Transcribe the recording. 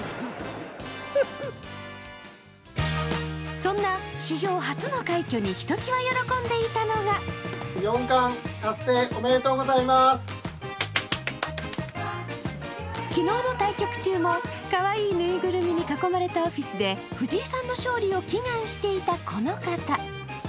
そんな史上初の快挙にひときわ喜んでいたのが昨日の対局中もかわいいぬいぐるみに囲まれたオフィスで藤井さんの勝利を祈願していたこの方。